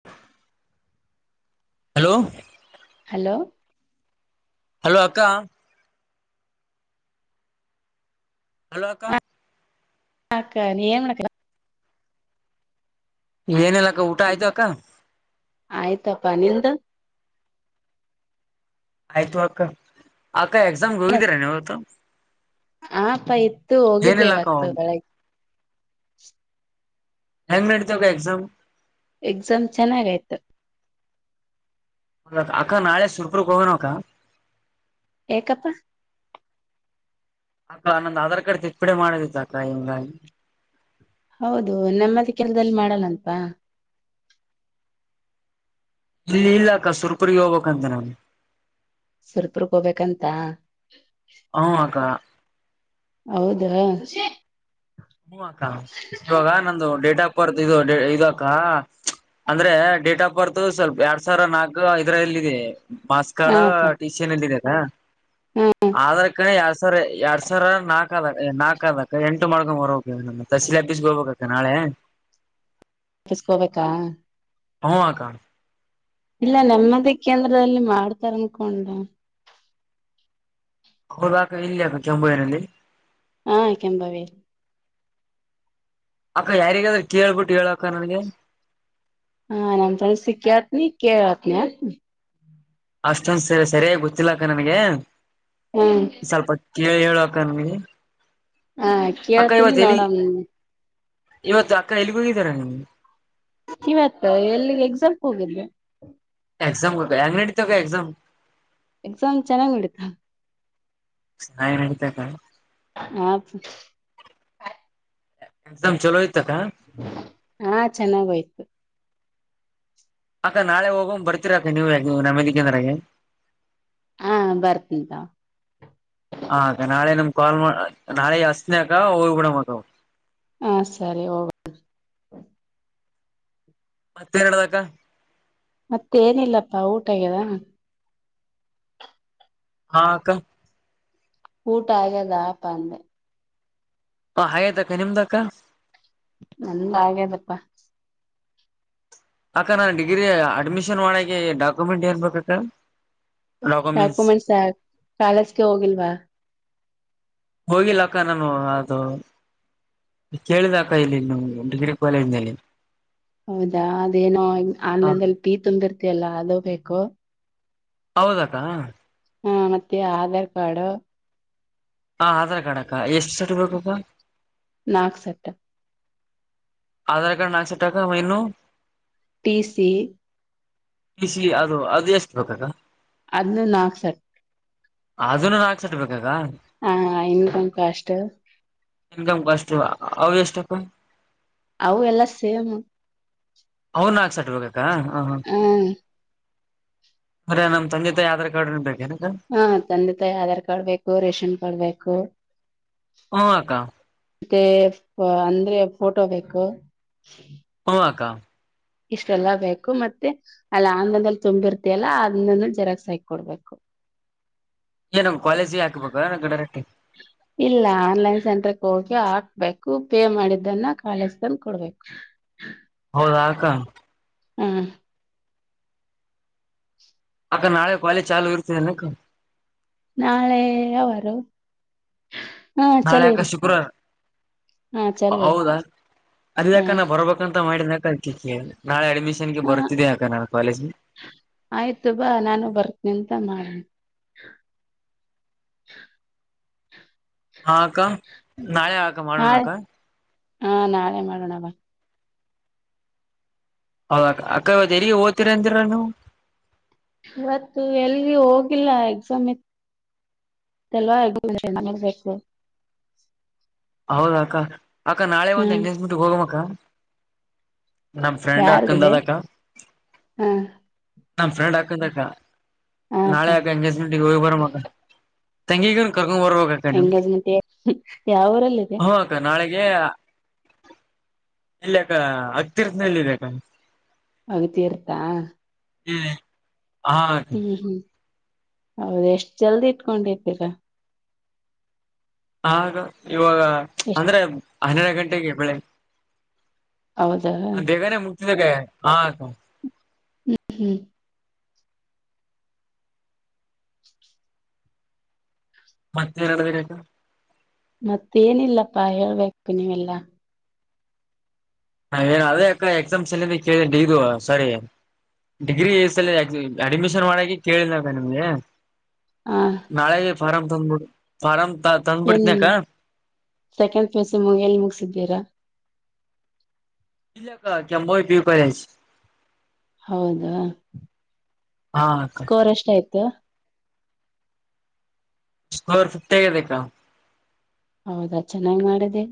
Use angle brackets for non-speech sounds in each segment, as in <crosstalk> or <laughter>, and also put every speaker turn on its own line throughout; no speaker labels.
<unintelligible> <inaudible>
Hello
hello
hello ಅಕ್ಕಾ hello ಅಕ್ಕ
ಹಕ್ಕ ನೀಏನ್ನ
ಏನಿಲ್ಲ ಅಕ್ಕ ಊಟ ಆಯ್ತ ಅಕ್ಕ
ಆಯ್ತಪ್ಪಾ ನಿನ್್ದ
ಆಯ್ತು ಅಕ್ಕ ಅಕ್ಕ ಎಕ್ಸಾಮ್ಗೆ ಹೋಗಿದ್ದೀರಾ ನೀವತ್ತು
ಹಪ್ಪ ಇತ್ತು ಹೋಗಿದ್ದೆ
ಏನಿಲ್ಲ ಅಕ್ಕ
ಇವತ್ತು ಬೆಳಗ್
ನು ನೇಡ್ತೋಗ ಎಕ್ಸಾಮ-
ಎಕ್ಸಾಮ್ ಚೆನ್ನಾಗ ಆಯ್ತು-
ದ ಅಕ್ಕ ನಾಳೆ ಸುಟ್ಪುಗ್ ಹೋಗೋನ ಅಕ್ಕ
ಏಕಪ್ಪ
ಅಕ್ಕ ನಂದು ಆಧಾರ್ ಕಾರ್ಡ್ ತಿದ್ದಪಡಿ ಮಾಡೋದಿತ್ತ ಅಕ್ಕ ಹಿಂಗ
ಹೌದು ನಮ್ಮದ ಕೆಲದಲ್ಲಿ ಮಾಡಲ್ಲ ಅಪ
ಇಲ್ಲಿ ಇಲ್ಲ ಅಕ್ಕ ಸುರ್ಪುರ್ಗ್ ಹೋಗ್ಬೇಕಕ್ ಅಂತೆ ನಾನಗೆ
ಸುಲ್ಪ್ರಗ್ ಹೋಗಬೇಕಂತ
ಹ ಆಗ
ಹೌದಾ
ಹೂ್ ಅಕ್ಕ ಇವಾಗ ನಂದು ಡೇಟ್ ಆಫ್ ಬರ್ತ್ ಇದು ಇದ ಅಕ್ಕ ಅಂದ್ರೆ ಡೇಟ್ ಆಫ್ ಬರ್ತ್ ಸ್ವಲ್ಪ ಎರಡ್ ಸಾವಿರ ನಾಲ್ಕು ಐದರಲ್ಲಿ ಮಾಸ್ ಕಡ
ಹಾಪ
ಟಿಷನ್ಲ್ಲಿ ಇದದ
ಹಾ
ಆಧಾರ್ ಕಾರ್ಡ್ ಎರಡ್ ಸಾವಿರ ಎರಡ್ ಸಾವಿರ ನಾಕು ನಾಕ್ ಅದ ನಾಕ್ ಅದಕ್ಕ ಎಂಟು ಮಾಡ್ಕೊಂಡ್ರಬೇಕಸಿಲೆ ಹ ಬಿಸಗ ಹೋಗಬೇಕಕ್ಕ ನಾಳೆ
ಕಪ್ಪಿಸಕೋಬೇಕಾ
ಹಕಾ
ಇಲ್ಲ ನೆಮ್ಮದಿ ಕೇಂದ್ರದಲ್ಲಿ ಮಾಡ್ತಾರ ಅನ್ಕೊಂಡ
ಹದಕ ಇಲ್ಲಯಕ ಚಂಬುವೈನಲ್ಲಿ
ಹಾ ಕೆಂಬವೇ
ಅಕ್ಕ ಯಾರಿಗಾದ್ರೆ ಕೇಳ್ಬಿಟ್ಟು ಹೇಳಕ್ಕ ನನ್ಗೆ
ಹಾ ನಮ್ಸಲ ಸಿಿಕ್ಯಾತ್ನ ಕೇಳತ್ನ ಅತ್
ಅಷ್ಟೊಂದ್ ಸರಿ ಸರಿಯಾಗಿ ಗೊತ್ತಿಲ್ಲಾಕ್ಕ ನನ್ಗೆ
ಹಾ
ಸ್ವಲ್ಪ ಕೇಳ ಹೇಳಕನ್ಗೆ
ಹಾ ಕೇಳ್ತೀನಿ ನೋಡಣ
ಇವತ್ತು ಅಕ್ಕ ಎಲ್ಲಿಗೆ ಹೋಗಿದಾರ ನಿನ್ಗೆ
ಇವತ್ತು ಎಲ್ಲಿ ಎಕ್ಸಾಮ್ ಹೋಗಿದ್ರೆ
ಎಕ್ಸಾಮ್ೆ ಅಂಗ್ನಡ್ತೋ ಎಕ್ಸಾಮ
ಎಕ್ಸಾಮ್ ಚೆನ್ನಾಗಿ ನಡಿತ
ಸ್ಾಯಿ ನಡತಬೇಕ
ಹಾ
ಎಕ್ಸಾಮ್ ಚಲೋ ಐ್ತಕ್ಕ
ಹಾ ಚೆನ್ನಾಗೋಯ್ತು
ಅಕ್ಕ ನಾಳೆ ಹೋಗ್ ಬರ್ತೀರ ಅಾ ನೀವು ಯ ನಮ್ಮಲಿಿಕಂದ್ರೆ
ಹಾ ಬರ್ತಂತ
ಹೆ ನಾಳೆ ನಮ್ ಕಾಲ್ ನಾಳೆ ಹಸ್ನಕ ಹೋಗ್ಬ ಬಿಡ ಮದ
ಹ ಸರಿ ಹೋಗ
ಮತ್ತೆರಡದಕ
ಮತ್ತೆ ಏನಿಲ್ಲಪ್ಪಾ ಊಟಗ್ಯದ
ಹಾಕ್ಕ
ಊಟ ಆಗ್ಯದ ಆಪ್ಪ ಅಂದೆ
ಹ ಹಾಗಯ್ತಕ್ಕ ನಿಮ್ದಕ
ನನ್ ಹಾಗ್ಯದಪ್ಪಾ
ಅಕ್ಕ ನಾನ್ ಡಿಗ್ರಿ ಅಡ್ಮಿಷನ್ ಮಾಡಕ್ಕೆೆ ಡಾಕ್ಯುಮೆಂಟ್ ಏನ್ ಬಬೇಕಕ್ಕಾ
ಡಾಕ್ಯುಮೆಂಟ್ಸ್ ಯಾ ಕಾಲೇಜ್ಗೆ ಹೋಗಿಲ್ವಾ
ಹೋಗಿಲ್ಲಕ್ಕ ನಾನು ಅದು ಕೇಳಿದಕ ಇಲ್ಲಿ ನೀ ಡಿಗ್ರಿ ಕಾಲೇಜ್ನಲ್ಲಿ
ಹೌದಾ ಅದೇನೋ
ಹ
ಆನ್ಲೈನ್ದಲ್ಲಿ ಪೀ ತುಂಬಿರ್ತಿಯಲ್ಲಾ ಅದು ಬೇಕು
ಹೌದಕ್ಕಾ
ಹಾ ಮತ್ತೆ ಆಧಾರ್ ಕಾರ್ಡ್
ಹ ಆಧಾರ್ ಕಾರ್ಡ್ ಅಕ್ಕ ಎಷ್ಟು ಸರ್ಟ್ ಬೇಕಕ್ಕ
ನಾಗ್ಸೆಟ್ಟ
ಆಧಾರ್ ಕಾರ್ಡ್ ನಾಕ್ಸ ಾಕ ಮನು
ಪಟಿ ಸಿ
ಬಿಸಿಲ ಅದು ಅದು ಎಷ್ಟು ಬೇಕ್ಕಕ
ಅದ್ ನಾಕ್ ಸರ್
ಅದನು ನಾಲ್ಕು ಸಟ್ ಬೇಕಾಕ್ಕ
ಹಾ ಇನ್ಕೊಂ ಕಷ್ಟ
ಎಮ್ ಕಷ್ಟ <unintelligible> ಅವೇಷ್ಟಕ
ಆವು ಎಲ್ಲ ಸೆಮ್
ಅವು ನಾಲಕ್ ಸೆಟ್ ಬೇಕಾಅಕ್ಕ ಹಾ ಹ ಅದೆ ನಮ್ಮ ತಂದೆ ತಾಯ ಆಧಾರ್ ಕಾರ್ಡ್ನನು ಬೇಕೇ ನಕ್ಕ
ಹಾ ತಂದೆ ತಾಯಿ ಆಧಾರ್ ಕಾರ್ಡ್ ಬೇಕು ರೇಷನ್ ಕಾರ್ಡ್ ಬೇಕು
ಹ ಅಕ್ಕಾ
ಮತ್ತೆ ಅಂದ್ರೆ ಫೋಟೋ ಬೇಕು
ಹೂ ಅಕ್ಕಾ
ಇಷ್ಟೆಲ್ಲ ಬೇಕು ಮತ್ತೆ ಅಲ್ಲಿ ಆನ್ಲೈನ್ ತುಂಬಿರ್ತಯಲ್ಲ ಅದನ್ನನು ಜೆರಾಕ್ಸ್ ಹಾಕ್ ಕೊಡ್ಬೇಕು
ಏ ನಂಗ್ ಕಾಲೇಜಿ ಹಾಕ್ಬೇಕ ನ ಗಡರಟ್ಟಿ
ಇಲ್ಲ ಆನ್ಲೈನ್ ಸೆಂಟ್ರುಗೆ ಹೋಗಿ ಹಾಕ್ಬೇಕು ಪೇ ಮಾಡಿದ್ದನ್ನ ಕಾಲೇಜ್ಗೆ ತಂದ್ ಕೊಡ್ಬೇಕು
ಹೌದಾಕ್ಕ
ಹ್ಮಂ
ಅಕ್ಕ ನಾಳೆ ಕಾಲೆಜು ಚಾಲು ಇರ್ತದೆನಕ್ಕ
ನಾಳೆ ಯಾವಾರು
ನಾಳೆಕ ಶುಕ್ರವಾರ
ಹಾ ಚಲೋ ಇರುತ್ತೆ
ಹೌದಾ
ಹ
ಅದೆಕ್ಕ ನಾ ಬರ್ಬೇಕಂತ ಮಾಡಿದಕ ನಾಳೆ ಅಡ್ಮಿಷನ್ ಗೆ
ಹ
ಬರ್ತಿದೆಕ ನಾಳೆ ಕಾಲೇಜ್ಗೆ.
ಆಯ್ತು ಬಾ ನಾನು ಬರ್ತನಿ ಅಂತ ಮಾಡನಿ
ಹಾಕ್ಕ ನಾಳೆ ಮಾಡೋಣ
ನಾಳೆ
ಅಕ್ಕ
ಹಾ ನಾಳೆ ಮಾಡೋಣವ ಬಾ
ಹೌದಾ ಅಕ್ಕ ಇವ್ರಿಗೆ ಓದತಿರ ಅರಾವು
ಇವತ್ತು ಎಲ್ಲಿ ಹೋಗಿಲ್ಲ ಎಕ್ಸಾಮ್ ಇ ಲ್ವಬೇಕು
ಹೌದಾಕ್ಕ ಅಕ್ಕ ನಾಳೆ ಒಂದ್
ಹ್ಮ್
ಎಂಗೇಜ್ಮೆಂಟ್ಗೆ ಹೋಗಮ್ಮ ಅಕ್ಕ ನಮ ಫ್ರೆಂಡ್ ಅಕಂದ
ಯಾರ್ದಿದೆ
ಅದ ಅಕ್ಕ
ಹ
ನಮ್ ಫ್ರೆಂಡ್ ಹಾಕದಕ್ಕ ನಾಳೆ
ಹಪಾ
ಎಂಗೇಜ್ಮೆಂಟ್ ಹೋಗಿ ಬರಮ ತಂಗಿಗನ್ ಕರ್ಕೊಂಡ್ ಬರ್ವಾಗ
ಹೆಂಗಜ ಮತ್ತ ಯಾವರಲ್ಲಿ
ಹಕ್ಕ ನಾಳೆಗೆ ಇಲ್ಲ ಅಕ್ಕ ಹತ್ತೀರ್ಥನಲ್ಲದೆಕ್ಕ
ಪಗತಿಯರ್ತಾ
ಹ್ಮ್
ಹ್ಮ್ ಹ್ಮ್ ಹೌದು ಎಷ್ಟ್ ಜಲ್ದಿ ಇಟ್ಕೊಂಡಿರ್ತೀರಾ
ಆ ಇವಾಗ
ಎಷ್ಟ್
ಅಂದ್ರೆ ಹನ್ನೆರಡು ಗಂಟೆಗೆ ಬೆಳಿಗ್
ಹೌದಾ
ಬೇಗಾನೆ ಮುದ್ದಿನಕ್ಕ
ಹ್ಮ್ ಹ್ಮ್
ಮತ್ತೆ ಏರಡ್ಬೇಕತಾ
ಮತ್ತ ಏನಿಲ್ಲಪ್ಪಾ ಹೇಳ್ಬೇಕು ನೀವೆಲ್ಲಾ
ಹಾ ಏನ್ ಅದೇ ಅಕ್ಕ ಎಕ್ಸಾಮ್ಸ್ ಎಲ್ಲಿ ಕೇಳಿ ಇದು ಸರಿ ಡಿಗ್ರಿ ಸಲ ಅಡ್ಮಿಷನ್ ಮಾಡಕ ಕೇಳಿದಾಗ ನಿಮ್ಗೆ
ಹಾ
ನಾಳೆನೇ ಫಾರಂ ತಂದ್ಬಿಡು ಫಾರಂ ತಗೋ
ಏನ್ ಸೆಕೆಂಡ್ ಪೇಸ ಮು ಎಲ್ಲಿ ಮುಗಸಿದ್ದೀರಾ
ಇಲ್ಲಕ್ಕ ಕೆಂಬೋಯ ಬೀ ಬರೆಸೀ
ಹೌದಾ
ಹಾ ಅಕ್ಕ
ಸ್ಕೋರ್ ಎಷ್ಟ ಆಯ್ತು
ಸ್ಕೋರ್ ಫಿಟ್ ತೆಗಬೇಕಾ
ಹೌದಾ ಚೆನ್ನಾಗ್ ಮಾಡಿದೆ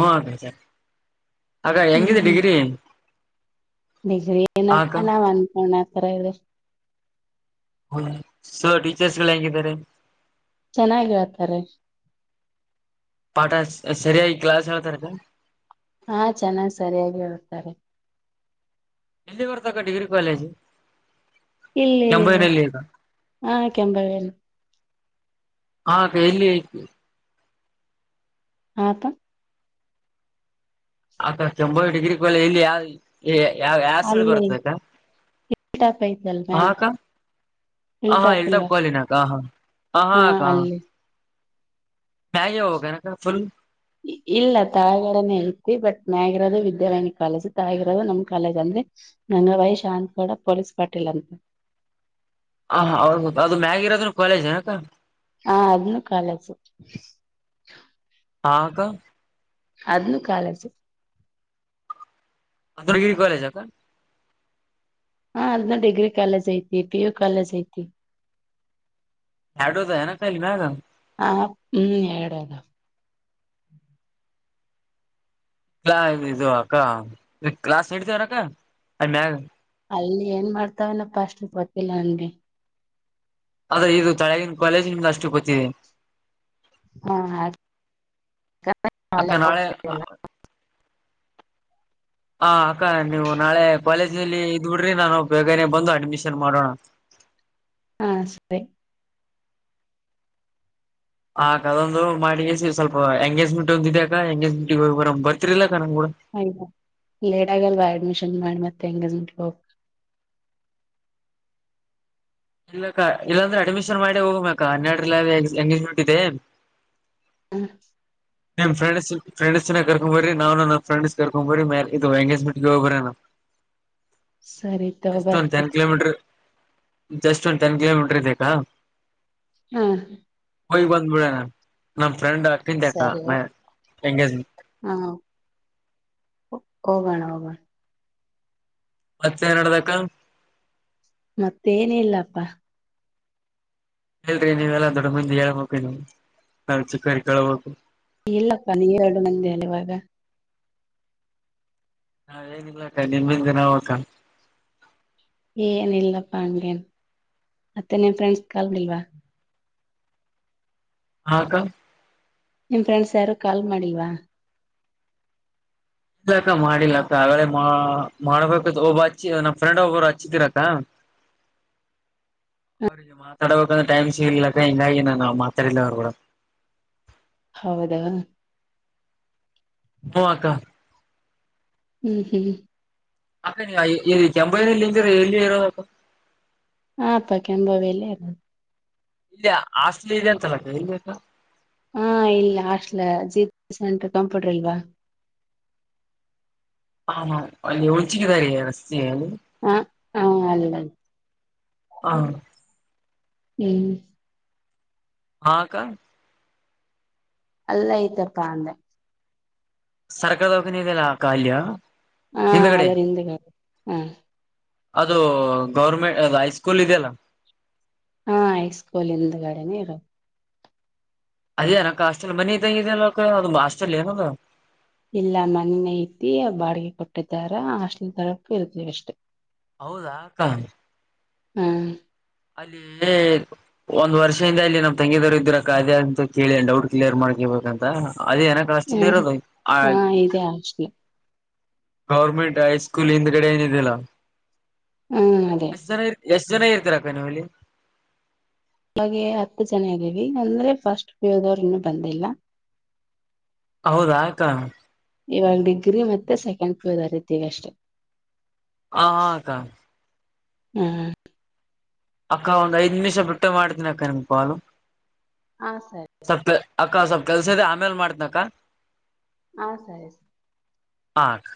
ಹಾಕ ಅ ಎಂಗಿದೆ ಡಗ್ರಿ
ಬೇಜಾರ್ ಏನಿಲ್ಲಪಾ ನಾವ್ ಅನ್ಕೊಂಡಾತರ ಇದ್ರೆ ಸಾ
ಹ ಸರ್ ಟೀಚರ್ಸಗಳ್ಹ್ಯಾಗಿದಾರೆ.
ಚೆನ್ನಾಗಿ ಹೇಳ್ತಾರೆ.
ಪಾಠ ಸರಿಯಾಗಿ ಕ್ಲಾಸ್ ಹೇಳ್ತಾರಲ.
ಹಾ ಚೆನ್ನಾಗ್ ಸರಿಯಾಗಿ ಹೇಳ್ತಾರೆ.
ಎಲ್ಲಿ ಬರ್ತಕ್ಕ ಡಿಗ್ರಿ ಕಾಲೇಜು.
ಇಲ್ಲಿ
ಕೆಂಬೈನಲ್ಲಿ ಈಗ
ಹಾಂ ಕೆಂಬಾವಿಯಲ್ಲಿ.
ಹಾ ಕೈಯಲ್ಲಿ ಅಯ್ತಿ.
ಹಾಂ ಪ
ಆಕ್ಕ ಕೆಂಬಾವಿ ಡಿಗ್ರಿ ಕಾಲೇಜ್ ಇಲ್ಲಿ ಯಾವಿ ಎ ಯಾವ್ ಯಾಸೈಡ್
ಅಲ್ಲಿ ಹಿಲ್
ಬರ್ತದಕ್ಕ
ಟಾಪ್ ಐತಲ್
ಹಾ
ಮ್ಯಾಲೆ
ಅಕ್ಕ. ಹ
ಹಿಲ್
ಹಾ
ಟಾಪ್
ಇಳ್ತಬ್
ಇಲ್ವಾ
<unintelligible> ಕಾಲಿನಕ ಹಾ ಹ ಹಾ ಮ್ಯಾಗೆ ಹೋಗಬೇಕೇನಕ್ಕಾ ಫುಲ್
ಇಲ್ಲ ತಲಗಡನೆೇ ಐತಿ ಬಟ್ ಮ್ಯಾಗಿರೋದು ವಿದ್ಯಾರಣ್ಯ ಕಾಲೇಜ್. ತಳಗಿರೋದು ನಮ್ ಕಾಲೇಜ್ ಅಂದ್ರೆ ನನ್ನ ವೈಶ್ ಶಾಂತಗೌಡ ಪೊಲೀಸ್ ಪಾಟೀಲ್ ಅಂತ.
ಹ, ಹಾ, ಹೌದು ಅದು ಮ್ಯಾಗಿರೋದು ಕಾಲೇಜೇನಕ್ಕಾ,
ಹಾ ಅದನ್ನು ಕಾಲೇಜು.
ಹಾ, ಅಕ್ಕಾ
ಅದನ್ನು ಕಾಲೇಜು -
ಅದರ್ಗಿರಿ ಕಾಲೇಜಕ <unintelligible>
ಹಾ ಅದ್ನ ಡಿಗ್ರಿ ಕಾಲೇಜ್ ಐತಿ, ಪಿ ಯು ಕಾಲೇಜ್ ಐತಿ.
ಎರಡು ಅದಾವೇನಕ್ಕಾ ಅಲ್ಲಿ ಮ್ಯಾಗ.
ಹಾ, ಹ್ಮ್ ಎರಡ ಅದಾವ-
ಾ ಇ <unintelligible> ಇದು ಅಕ್ಕ ಕ್ಲಾಸ್ ನಡ್ತೇವೇನೆಕ್ಕ ಅಲ್ಲಿಮ್ಯಾಗ?
ಅಲ್ಲಿ ಏನ್ ಮಾಡ್ತವೆನಪ್ಪ ಅಷ್ಟ ಗೊತ್ತಿಲ್ಲ ನನ್ಗೆ.
ಆದ್ರೆ ಇದು ತಳಗಿನ ಕಾಲೇಜ್ ನಿಮಗ ಅಷ್ಟು ಗೊತ್ತಿದೆ.
ಹಾ
ಅಕ್ಕ ನಾಳೆ
<unintelligible>
ಹಾ ಅಕ್ಕ ನೀವು ನಾಳೆ ಕಾಲೇಜ್ನಲ್ಲಿ ಇದ್ ಬಿಡ್ರಿ ನಾನು ಬೇಗನೆ ಬಂದು ಅಡ್ಮಿಷನ್ ಮಾಡೋಣ ಅಂತ.
ಹಾ, ಸರಿ
ಆಯ್ತ ಅದೊಂದು ಮಾಡಿ ಸ್ವಲ್ಪ ಎಂಗೇಜ್ಮೆಂಟ್ ಒಂದಿದೆ ಅಕ್ಕಾ ಎಂಗೇಜ್ಮೆಂಟ್ ಹೋಗಿ ಬರಮ್ ಬರ್ತಿರಿಲ್ಲಕ್ಕಾ ನಮಗೂಡ.
ಆಯ್ತ ಲೇಟ್ ಆಗಲ್ವಾ ಅಡ್ಮಿಷನ್ ಮಾಡಿ ಮತ್ತೆ ಎಂಗೇಜ್ಮೆಂಟ್ ಹೋಗ
ಇಲ್ಲಕ್ಕ ಇಲ್ಲಾಂದ್ರೆ ಅಡ್ಮಿಷನ್ ಮಾಡಿ ಹೋಗಮ್ಮಕ್ಕಾ ಹನ್ನೆರಡು ಲೇದೆ ಎಂಗೇಜ್ಮೆಂಟ್ ಇದೆ.
ಹ್ಮ <inaudible>
ನಿಮ್ಮಪ್ರೆಂಡ್ಸ್, ಫ್ರೆಂಡಸ್ನ ಕರ್ಕೊಂಡ್ ಬರ್ರಿ ನಾನು ನಮ್ಮಫ್ರೆಂಡಸ್ ಕರ್ಕೊಂಬರ್ರಿ ಇದು <unintelligible> ಎಂಗೇಜ್ಮೆಂಟ್ಗೆ ಹೋಗಬರನಾ.
ಸರಿ ತಗೋ
ಎಷ್ಟಂತ ಹೆಂಗ
ಬರ್ತ
ಕಿಲೋಮೀಟರ್ ಜಸ್ಟ್ ಒಂದು ಟೆನ್ ಕಿಲೋಮೀಟರ್ ಇದೆ ಅಕ್ಕಾ.
ಹ್ಮಾ,
ಹೋಗ್ ಬಂದ್ಬಿಡಣ ನಮ ಫ್ರೆಂಡ್ ಅಕ್ಕಂದೇ ಅಕ್ಕ ಎಂಗೇಜ್ಮೆಂಟ್.
ಅಲೋ, ಹೋಗೋಣ ಹೋಗಣ
ಮತ್ತೇನ್ ನಡ್ದಕ್ಕಾ
ಮತ್ತೇನುಇಲ್ಲಪ್ಪಾ
ಹೇಳರಿ ನೀವೆಲ್ಲಾ ದೊಡ್ಡ ಮಂದಿ ಹೇಳ್ಬೇಕ ನಾವು ಚಿಕ್ಕೊರುಕೆಳ್ಬೇಕು.
ಇಲ್ಲಪ್ಪ ನೀವು ಎರಡು <unintelligible> ನಂದ್ದೇ ಇವಾಗ
ನಾವೇನಿಲ್ಲಕ್ಕ ನಿಮ್ಮಿಂದ ನಾವಕ್ಕಾ.
ಏನ ಇಲ್ಲಪ್ಪಾ ಹಂಗೆೇನ್ ಮತ್ತೆ ನಿನ್ ಫ್ರೆಂಡ್ಸ್ ಕಾಲ್ <unintelligible> ಮಾಡಿಲ್ವಾ
ಹಾ ಅಕ್ಕಾ
ನಿಮ್ ಫ್ರೆಂಡ್ಸ್ ಯಾರು ಕಾಲ್ ಮಾಡಿಲ್ವಾ?
ಇಲ್ಲಕ್ಕ ಮಾಡಿಲ್ಲಕ್ಕ ಆಗಳೇ ಮಾ ಮಾಡ್ಬೇಕ ಒಬ್ಬ ಹಚ್ಚಿ ನಮ್ಮ್ ಫ್ರೆಂಡ್ ಒಬ್ಬರು ಹಚ್ಚಿದ್ರಕ್ಕ. <inaudible> <inaudible> ಮಾತಾಡಬೇಕಂದ್ರೆ ಟೈಮ್ಸಿಗ್ಲಕ್ಕ ಹಿಂಗಾಗಿ ನಾನು ಮಾತಾಡಿಲ್ಲ ಅವರು ಗೂಡ.
ಹೌದಾ
ಹು ಅಕ್ಕ
<inaudible>
ಅಕ್ಕ ಇಲ್ಲಿ ಕೆಂಭಾಯಿನಿಂತೀನಿ ಎಲ್ಲಿ ಇರೋದ್ ಅಕ್ಕಾ.
ಹಾ ಪಾ ಕೆಂಭಾವಿಯ ಲೆ ಇರೋದು
ಇಲ್ಲಿ ಹಾಸ್ಟೆಲ್ ಇದೆ ಅಂತಲ್ಲಕ್ಕ ಎಲ್ಲಿಕ್ಕ.
ಹಾ ಇಲ್ಲ ಹಾಸ್ಟೆಲ್ ಜಿ ಸೆಂಟ್ರ ಕಂಪ್ಯೂಟರ್ ಇಲ್ವಾ
ಹಾ ಹಾ ಅಲ್ಲಿ ಹುಚ್ಚ್ ಗೆ ದಾರಿ ಆಸ್ತಿ
ಹ ಹಾ ಅಲ್ಲ ಅದ
ಹ
<unintelligible> ಹ್ಮ
ಹಾ ಅಕ್ಕ
ಅಲ್ಲೇ ಐತಪ್ಪಾ ಅಂದೆ
ಸರ್ಕಾರ ದವಾಖಾನೆ ಇದೇನಾ ಅಕ್ಕ ಅಲ್ಲಿ.
ಹಾ ಅದರಿಂದ ಹಾ
ಅದು ಗೌರ್ಮೆಂಟ್ ಅದು ಹೈಸ್ಕೂಲ್ ಇದೆಯಲ್ಲ.
ಹಾ ಐಸ್ಕೂಲ್ ಹಿಂದೆಗಡೆನ ಇರ
ಅದೇ ಏನ್ ಅಕ್ಕಾ ಹಾಸ್ಟೆಲ್ ಮನಿ ಇದ್ದಂಗ ಇದೆ ಅದು ಹಾಸ್ಟೆಲ್ ಏನ ಅದ್.
ಇಲ್ಲ ಮನೆ ಐತಿ ಬಾಡಿಗೆ ಕೊಟ್ಟಿದ್ದಾರ ಹಸ್ಟೆಲ್ ತರಕು ಇರ್ತವಿ ಅಷ್ಟು.
ಹೌದಾ ಅಕ್ಕಾ
ಹಾ
ಹ್ಮ್ಮ್ ಒಂದ್ ವರ್ಷದಿಂದ ಅಲ್ಲಿ ನಮ್ ತಂಗಿದವರು ಇದ್ರಕ ಅದೆ ಅಂತ ಕೇಳಿ ಡೌಟ್ ಕ್ಲಿಯರ್ ಮಾಡ್ಕೇಳ್ಬೇಕಂತ ಅದೇಏನ.
ಹ
ರಸ್ಲ್ಲ ಇರೋದು ಆ
ಹಾ ಇದೆ ಹಾಸ್ಟೆಲ್
ಗೌರ್ಮೆಂಟ್ ಹೈಸ್ಕೂಲ್ ಹಿಂದ್ ಕಡೆ ಏನಿದಿಲ್ಲಾ?
ಹ್ಮ್ ಅದೇ
ಎಷ್ಟ ಜನ ಎಷ್ಟ್ ಜನ ಇರ್ತೀರಕ್ಕ ನೀವು ಅಲ್ಲಿ
ಹಾಗೆ ಹತ್ತು ಜನ ಆಗವಿ ಅಂದ್ರೆ ಫಸ್ಟ್ ಪಿಯು ದವರ್ ಇನ್ನು ಬಂದಿಲ್ಲ.
ಹೌದ ಅಕ್ಕಾ.
ಇವಾಗ ಡಿಗ್ರಿ ಮತ್ತೆ ಸೆಕೆಂಡ್ ಪಿಯುದವರ ಇದ್ದಿವಿ ಅಷ್ಟೆ.
ಹಾ ಅಕ್ಕಾ
ಹ್ಮ
ಅಕ್ಕ ಒಂದು ಐದು ನಿಮಿಷ ಬಿಟ್ಟು ಮಾಡ್ತನಿ ಅಕ್ಕ ನಿಮ್ಗೆ ಕಾಲು.
ಹಾ ಸರಿ
ಸ್ವಲ್ಪ ಅಕ್ಕ ಸ್ವಲ್ಪ್ ಕೆಲ್ಸ ಇದೆ ಆಮೇಲ್ ಮಾಡ್ತನಕ್ಕ.
ಹಾ ಸರಿ ಸರಿ
ಹಾ ಅಕ್ಕಾ